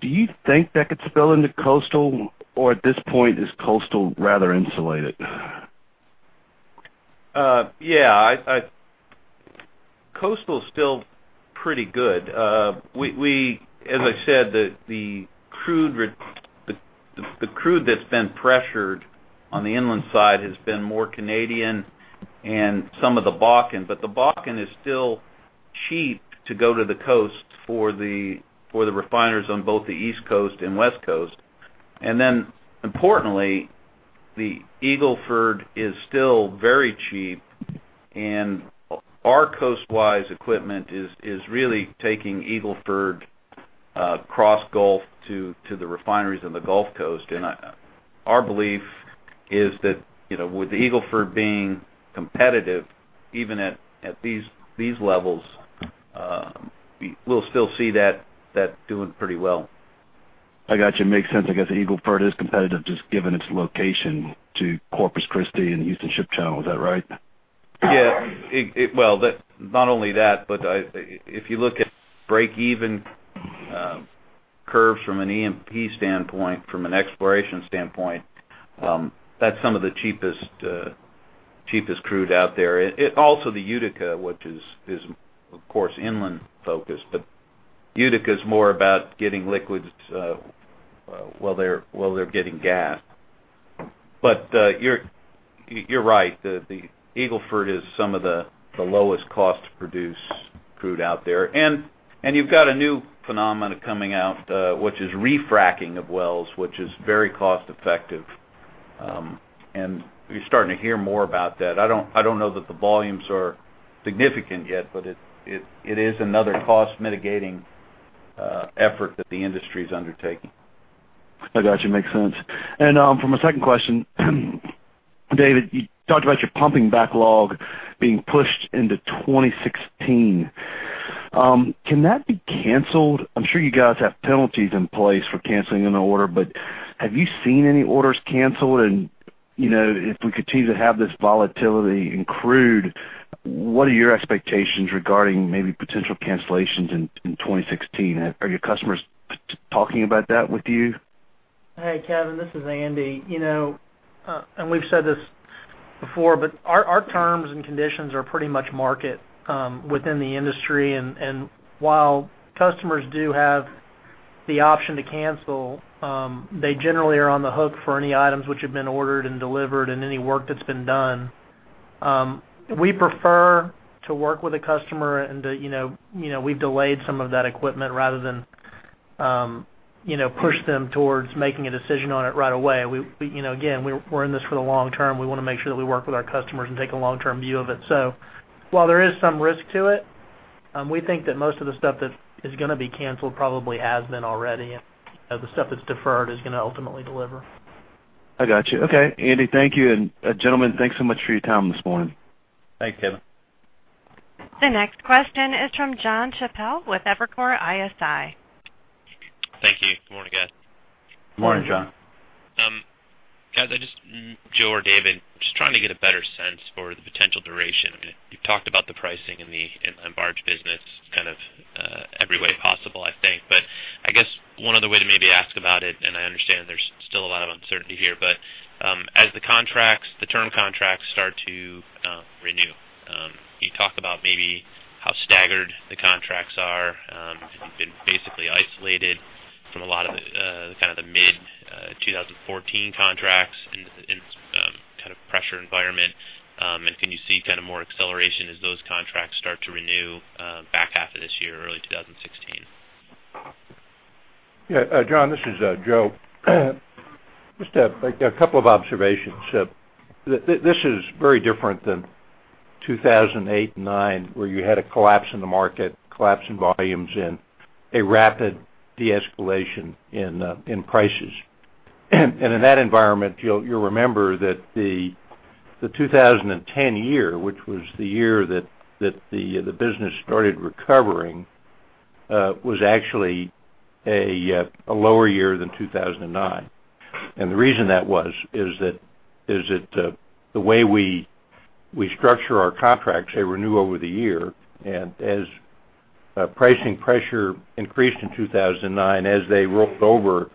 do you think that could spill into coastal, or at this point, is coastal rather insulated? Yeah, coastal is still pretty good. As I said, the crude that's been pressured on the inland side has been more Canadian and some of the Bakken, but the Bakken is still cheap to go to the coast for the refiners on both the East Coast and West Coast. And then, importantly, the Eagle Ford is still very cheap, and our coastwise equipment is really taking Eagle Ford cross-Gulf to the refineries on the Gulf Coast. And our belief is that, you know, with the Eagle Ford being competitive, even at these levels- ... we, we'll still see that, that doing pretty well. I got you. Makes sense, I guess Eagle Ford is competitive, just given its location to Corpus Christi and Houston Ship Channel. Is that right? Yeah, well, not only that, but if you look at break even curves from an E&P standpoint, from an exploration standpoint, that's some of the cheapest cheapest crude out there. It also the Utica, which is, of course, inland focused, but Utica is more about getting liquids while they're getting gas. But you're right, the Eagle Ford is some of the lowest cost to produce crude out there. And you've got a new phenomenon coming out, which is refracking of wells, which is very cost effective. And you're starting to hear more about that. I don't know that the volumes are significant yet, but it is another cost mitigating effort that the industry is undertaking. I got you. Makes sense. And, from a second question, David, you talked about your pumping backlog being pushed into 2016. Can that be canceled? I'm sure you guys have penalties in place for canceling an order, but have you seen any orders canceled? And, you know, if we continue to have this volatility in crude, what are your expectations regarding maybe potential cancellations in 2016? Are your customers talking about that with you? Hey, Kevin, this is Andy. You know, and we've said this before, but our terms and conditions are pretty much market within the industry. And while customers do have the option to cancel, they generally are on the hook for any items which have been ordered and delivered and any work that's been done. We prefer to work with a customer and to, you know, we've delayed some of that equipment rather than, you know, push them towards making a decision on it right away. We, you know, again, we're in this for the long term. We wanna make sure that we work with our customers and take a long-term view of it. So while there is some risk to it, we think that most of the stuff that is gonna be canceled probably has been already, and the stuff that's deferred is gonna ultimately deliver. I got you. Okay, Andy, thank you. And, gentlemen, thanks so much for your time this morning. Thanks, Kevin. The next question is from Jon Chappell with Evercore ISI. Thank you. Good morning, guys. Good morning, John. Guys, I just, Joe or David, just trying to get a better sense for the potential duration. I mean, you've talked about the pricing in the inland barge business kind of every way possible, I think. But I guess one other way to maybe ask about it, and I understand there's still a lot of uncertainty here, but as the contracts, the term contracts start to renew, can you talk about maybe how staggered the contracts are? Have you been basically isolated from a lot of the kind of the mid 2014 contracts in kind of pressure environment? And can you see kind of more acceleration as those contracts start to renew back half of this year or early 2016? Yeah. John, this is Joe. Just a couple of observations. This is very different than 2008 and 2009, where you had a collapse in the market, collapse in volumes, and a rapid de-escalation in prices. And in that environment, you'll remember that the 2010 year, which was the year that the business started recovering, was actually a lower year than 2009. And the reason that was is that the way we structure our contracts, they renew over the year. And as pricing pressure increased in 2009, as they rolled over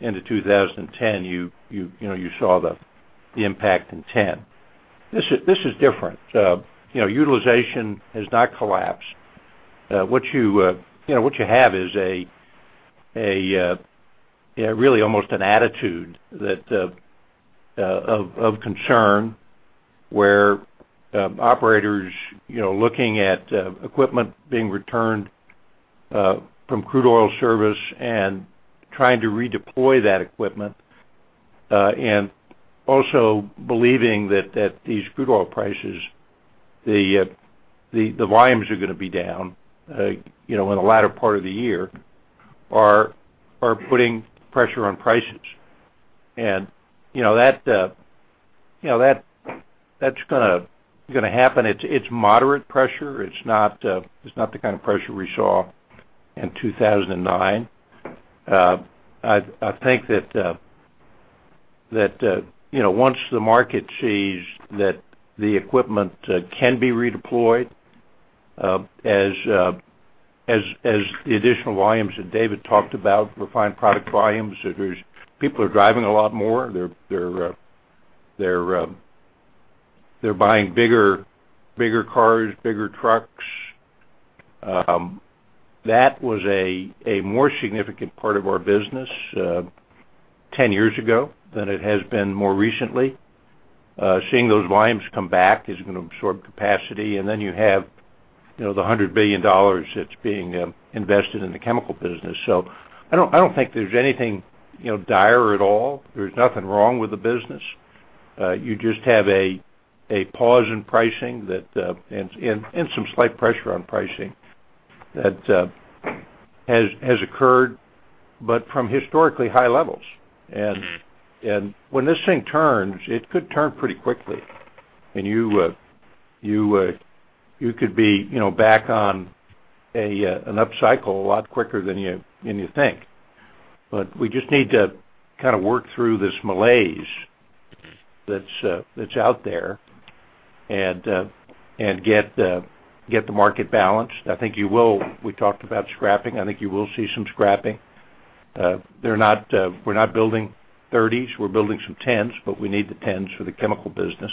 into 2010, you know, you saw the impact in 2010. This is different. You know, utilization has not collapsed. What you have is really almost an attitude of concern, where operators, you know, looking at equipment being returned from crude oil service and trying to redeploy that equipment. And also believing that these crude oil prices, the volumes are gonna be down, you know, in the latter part of the year, are putting pressure on prices. And, you know, that that's gonna happen. It's moderate pressure. It's not the kind of pressure we saw in 2009. I think that, you know, once the market sees that the equipment can be redeployed as the additional volumes that David talked about, refined product volumes, there's people are driving a lot more. They're buying bigger cars, bigger trucks. That was a more significant part of our business 10 years ago than it has been more recently. Seeing those volumes come back is gonna absorb capacity, and then you have, you know, the $100 billion that's being invested in the chemical business. So I don't, I don't think there's anything, you know, dire at all. There's nothing wrong with the business. You just have a pause in pricing that and some slight pressure on pricing that. has occurred, but from historically high levels. And when this thing turns, it could turn pretty quickly, and you could be, you know, back on an upcycle a lot quicker than you think. But we just need to kind of work through this malaise that's out there and get the market balanced. I think you will. We talked about scrapping. I think you will see some scrapping. They're not, we're not building thirties, we're building some tens, but we need the tens for the chemical business.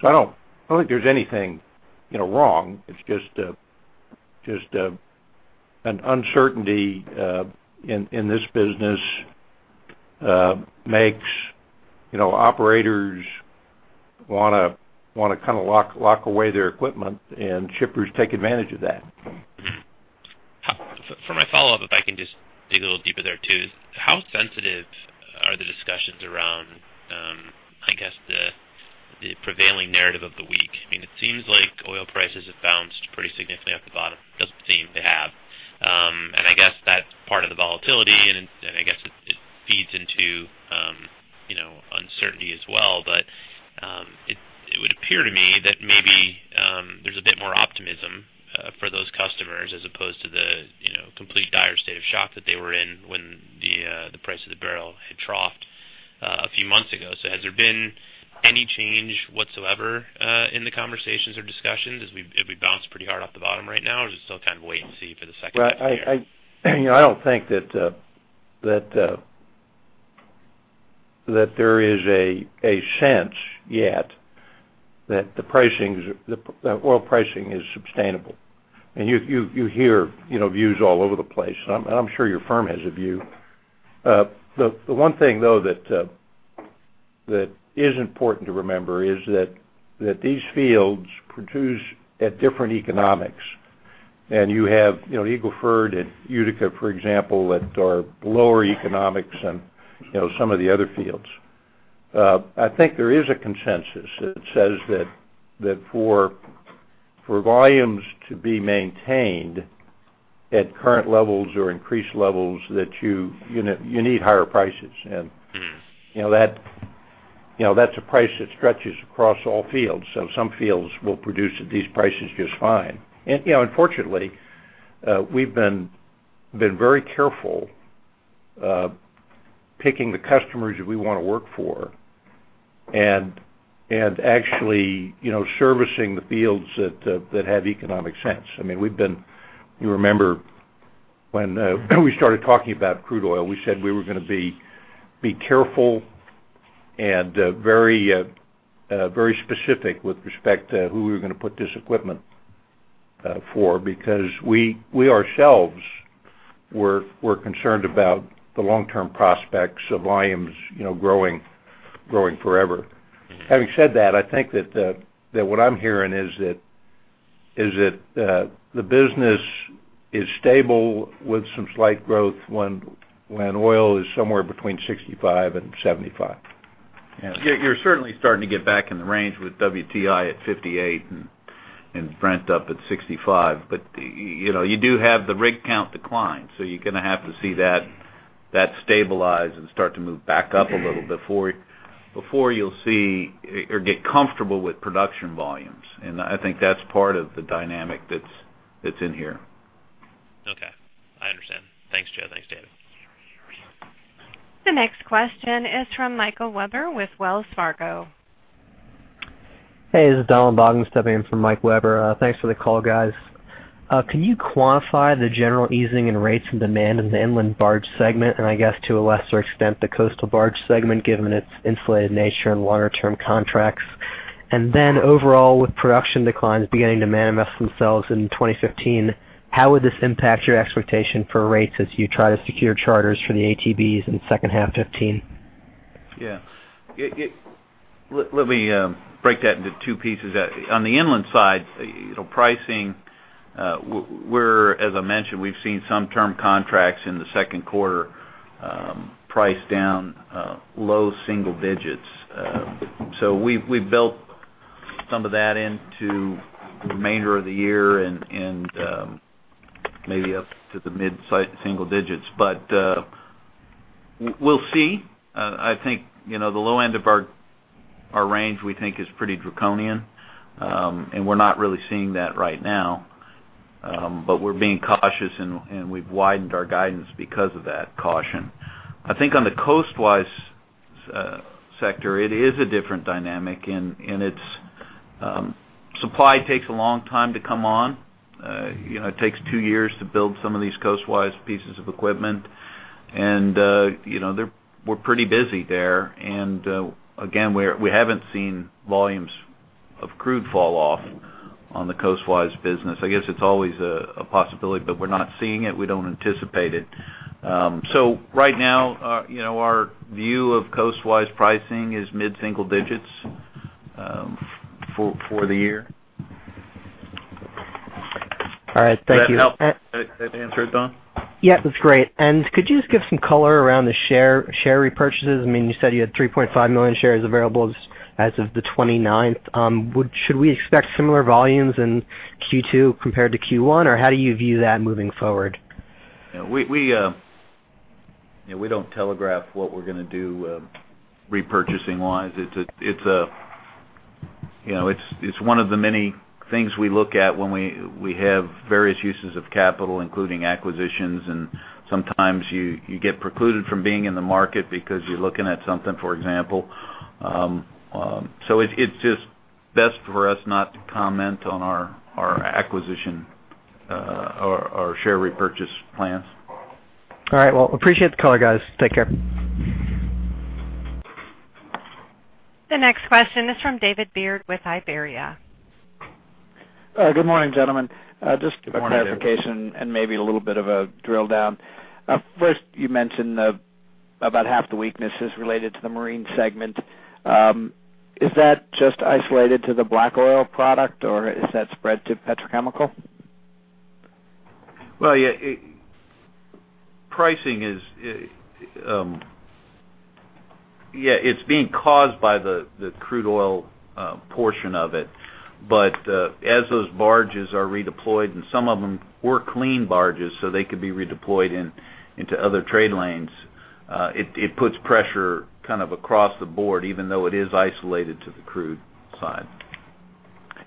So I don't think there's anything, you know, wrong. It's just an uncertainty in this business makes operators wanna kind of lock away their equipment, and shippers take advantage of that. For my follow-up, if I can just dig a little deeper there, too. How sensitive are the discussions around, I guess the prevailing narrative of the week? I mean, it seems like oil prices have bounced pretty significantly off the bottom. Doesn't seem to have. And I guess that's part of the volatility, and I guess it feeds into, you know, uncertainty as well. But, it would appear to me that maybe there's a bit more optimism for those customers, as opposed to the, you know, complete dire state of shock that they were in when the price of the barrel had troughed a few months ago. So has there been any change whatsoever in the conversations or discussions if we bounced pretty hard off the bottom right now, or is it still kind of wait and see for the second half of the year? Right. You know, I don't think that there is a sense yet that the pricing, the oil pricing is sustainable. And you hear, you know, views all over the place, and I'm sure your firm has a view. The one thing, though, that is important to remember is that these fields produce at different economics, and you have, you know, Eagle Ford and Utica, for example, that are lower economics than, you know, some of the other fields. I think there is a consensus that says that for volumes to be maintained at current levels or increased levels, that you know you need higher prices. You know, that's a price that stretches across all fields, so some fields will produce at these prices just fine. You know, unfortunately, we've been very careful picking the customers that we wanna work for and actually, you know, servicing the fields that have economic sense. I mean, we've been... You remember when we started talking about crude oil, we said we were gonna be careful and very specific with respect to who we were gonna put this equipment for, because we ourselves were concerned about the long-term prospects of volumes, you know, growing forever. Having said that, I think that what I'm hearing is that the business is stable with some slight growth when oil is somewhere between $65 and $75. Yeah, you're certainly starting to get back in the range with WTI at $58 and Brent up at $65. But, you know, you do have the rig count decline, so you're gonna have to see that stabilize and start to move back up a little before you'll see or get comfortable with production volumes. And I think that's part of the dynamic that's in here. Okay, I understand. Thanks, Joe. Thanks, David. The next question is from Michael Webber with Wells Fargo. Hey, this is Don Vogel stepping in for Mike Webber. Thanks for the call, guys. Can you quantify the general easing in rates and demand in the inland barge segment, and I guess to a lesser extent, the coastal barge segment, given its insulated nature and longer-term contracts? And then overall, with production declines beginning to manifest themselves in 2015, how would this impact your expectation for rates as you try to secure charters for the ATBs in the second half of 2015? Yeah. Let me break that into two pieces. On the inland side, you know, pricing, we're, as I mentioned, we've seen some term contracts in the second quarter, price down, low single digits. So we've built some of that into the remainder of the year and, maybe up to the mid-single digits. But we'll see. I think, you know, the low end of our range, we think is pretty draconian, and we're not really seeing that right now. But we're being cautious, and we've widened our guidance because of that caution. I think on the coastwise sector, it is a different dynamic, and it's supply takes a long time to come on. You know, it takes two years to build some of these coastwise pieces of equipment. And, you know, they're—we're pretty busy there. And, again, we're—we haven't seen volumes of crude falloff on the coastwise business. I guess it's always a possibility, but we're not seeing it. We don't anticipate it. So right now, you know, our view of coastwise pricing is mid-single digits, for the year. All right, thank you. Does that help? Does that answer it, Don? Yeah, that's great. And could you just give some color around the share repurchases? I mean, you said you had 3.5 million shares available as of the 29th. Should we expect similar volumes in Q2 compared to Q1, or how do you view that moving forward? Yeah, we don't telegraph what we're gonna do, repurchasing-wise. It's a, you know, it's one of the many things we look at when we have various uses of capital, including acquisitions, and sometimes you get precluded from being in the market because you're looking at something, for example. So it's just best for us not to comment on our acquisition, our share repurchase plans. All right. Well, appreciate the call, guys. Take care. The next question is from David Beard with Iberia. Good morning, gentlemen. Good morning, David. Just a clarification and maybe a little bit of a drill down. First, you mentioned about half the weakness is related to the marine segment. Is that just isolated to the black oil product, or is that spread to petrochemical? Well, yeah, pricing is. Yeah, it's being caused by the crude oil portion of it. But as those barges are redeployed, and some of them were clean barges, so they could be redeployed into other trade lanes, it puts pressure kind of across the board, even though it is isolated to the crude side.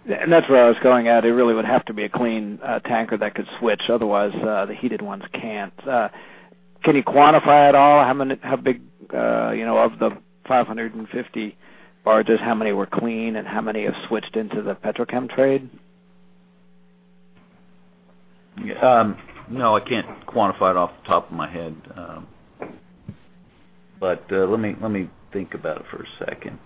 And that's where I was going at. It really would have to be a clean tanker that could switch, otherwise the heated ones can't. Can you quantify at all how many-- how big, you know, of the 550 barges, how many were clean, and how many have switched into the petrochem trade? No, I can't quantify it off the top of my head. But let me think about it for a second.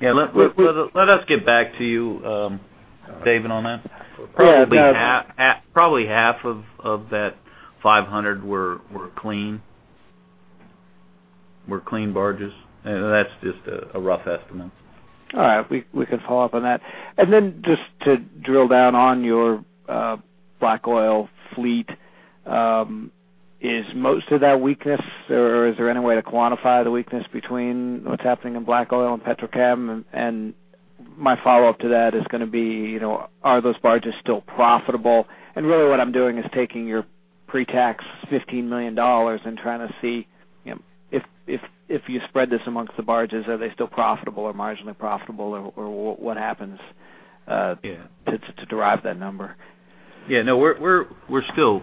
Yeah, let us get back to you, David, on that. Yeah, no- Probably half of that 500 were clean barges. That's just a rough estimate. All right, we can follow up on that. And then just to drill down on your black oil fleet, is most of that weakness, or is there any way to quantify the weakness between what's happening in black oil and petrochem? And my follow-up to that is gonna be, you know, are those barges still profitable? And really, what I'm doing is taking your pretax $15 million and trying to see, you know, if you spread this amongst the barges, are they still profitable or marginally profitable, or what happens. Yeah... to derive that number? Yeah, no, we're still,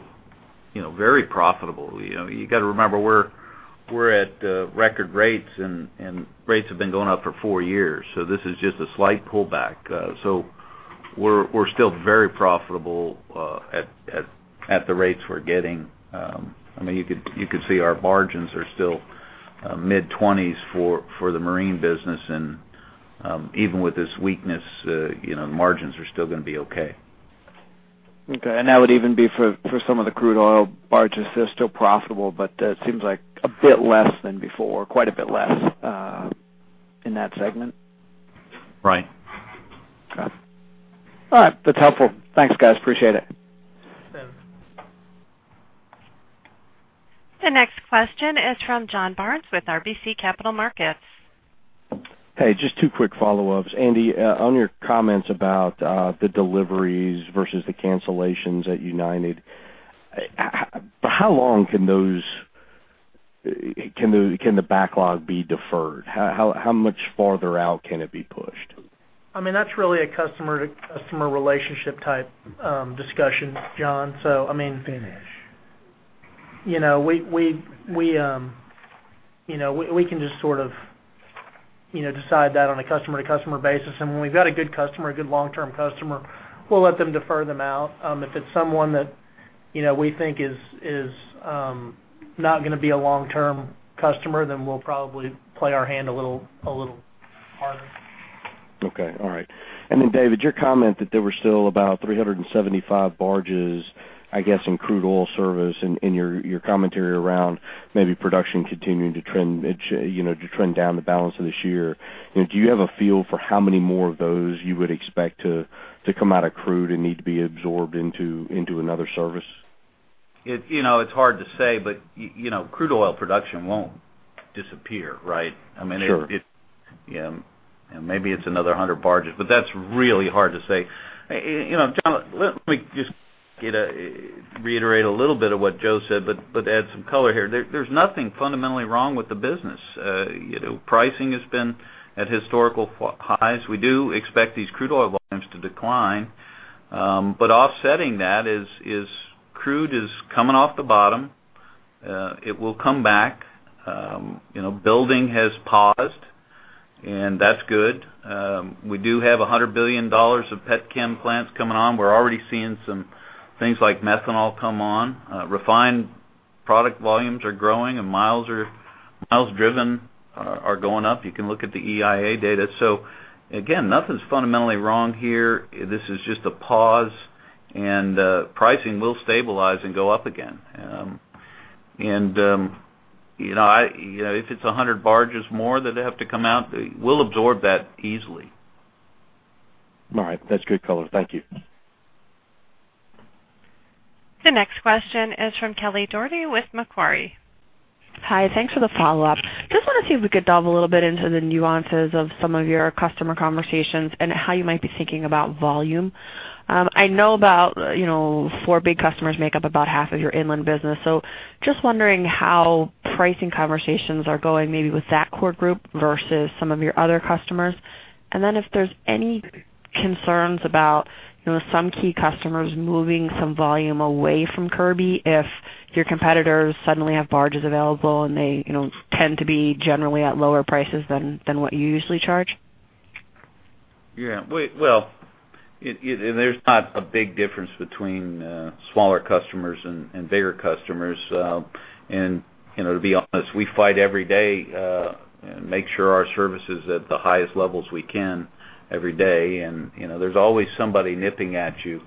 you know, very profitable. You know, you got to remember, we're at record rates, and rates have been going up for four years, so this is just a slight pullback. So we're still very profitable at the rates we're getting. I mean, you could see our margins are still mid-twenties for the marine business, and even with this weakness, you know, margins are still gonna be okay. Okay, and that would even be for, for some of the crude oil barges, they're still profitable, but, it seems like a bit less than before, quite a bit less, in that segment? Right. Got it. All right. That's helpful. Thanks, guys. Appreciate it. The next question is from John Barnes with RBC Capital Markets. Hey, just two quick follow-ups. Andy, on your comments about the deliveries versus the cancellations at United, how long can those, can the backlog be deferred? How, how much farther out can it be pushed? I mean, that's really a customer-to-customer relationship type, discussion, John. So I mean- Finish. You know, we can just sort of, you know, decide that on a customer-to-customer basis. And when we've got a good customer, a good long-term customer, we'll let them defer them out. If it's someone that, you know, we think is not gonna be a long-term customer, then we'll probably play our hand a little, a little harder. Okay. All right. Then, David, your comment that there were still about 375 barges, I guess, in crude oil service and your commentary around maybe production continuing to trend, you know, to trend down the balance of this year. You know, do you have a feel for how many more of those you would expect to come out of crude and need to be absorbed into another service? You know, it's hard to say, but you know, crude oil production won't disappear, right? Sure. I mean, Yeah, and maybe it's another 100 barges, but that's really hard to say. You know, John, let me just reiterate a little bit of what Joe said, but add some color here. There's nothing fundamentally wrong with the business. You know, pricing has been at historical highs. We do expect these crude oil volumes to decline, but offsetting that is crude coming off the bottom. It will come back. You know, building has paused, and that's good. We do have $100 billion of petchem plants coming on. We're already seeing some things like methanol come on. Refined product volumes are growing, and miles driven are going up. You can look at the EIA data. So again, nothing's fundamentally wrong here. This is just a pause, and pricing will stabilize and go up again. You know, if it's 100 barges more that have to come out, we'll absorb that easily. All right. That's good color. Thank you. The next question is from Kelly Dougherty with Macquarie.... Hi, thanks for the follow-up. Just want to see if we could delve a little bit into the nuances of some of your customer conversations and how you might be thinking about volume. I know about, you know, four big customers make up about half of your inland business. So just wondering how pricing conversations are going, maybe with that core group versus some of your other customers. And then if there's any concerns about, you know, some key customers moving some volume away from Kirby if your competitors suddenly have barges available, and they, you know, tend to be generally at lower prices than, than what you usually charge. Yeah, well, it. And there's not a big difference between smaller customers and bigger customers. And, you know, to be honest, we fight every day and make sure our service is at the highest levels we can every day. And, you know, there's always somebody nipping at you.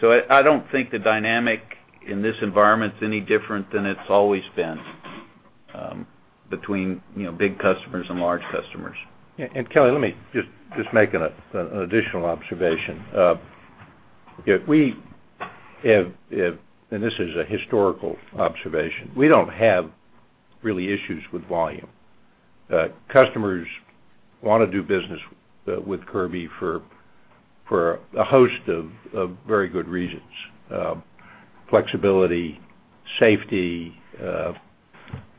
So I don't think the dynamic in this environment is any different than it's always been between, you know, big customers and large customers. Yeah, and Kelly, let me just make an additional observation. If we have – and this is a historical observation, we don't have really issues with volume. Customers want to do business with Kirby for a host of very good reasons: flexibility, safety,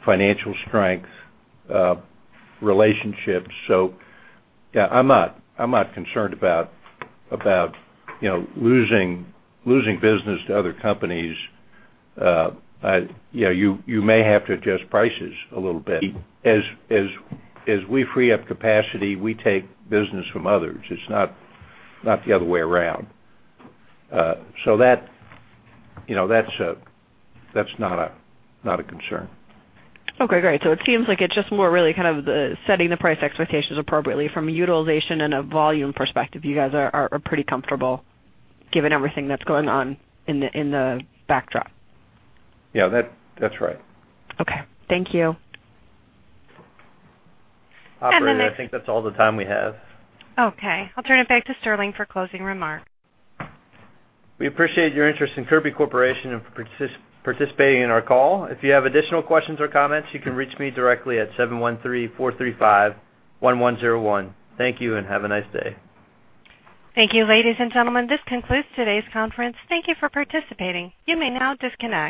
financial strength, relationships. So, yeah, I'm not concerned about, you know, losing business to other companies. Yeah, you may have to adjust prices a little bit. As we free up capacity, we take business from others. It's not the other way around. So that, you know, that's not a concern. Okay, great. So it seems like it's just more really kind of the setting the price expectations appropriately from a utilization and a volume perspective, you guys are pretty comfortable given everything that's going on in the backdrop? Yeah, that's right. Okay. Thank you. Operator, I think that's all the time we have. Okay. I'll turn it back to Sterling for closing remarks. We appreciate your interest in Kirby Corporation and for participating in our call. If you have additional questions or comments, you can reach me directly at 713-435-1101. Thank you, and have a nice day. Thank you, ladies and gentlemen. This concludes today's conference. Thank you for participating. You may now disconnect.